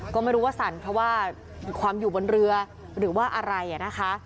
ก็ไม่รู้ว่าสั่นเพราะว่าความอยู่บนเรือหรือว่าอะไรนะคะ